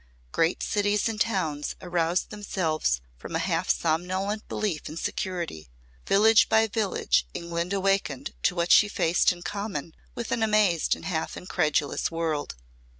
Great cities and towns aroused themselves from a half somnolent belief in security. Village by village England awakened to what she faced in common with an amazed and half incredulous world.